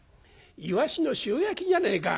イワシの塩焼きじゃねえか。